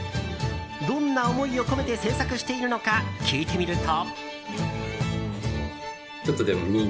どんな思いを込めて制作しているのか聞いてみると。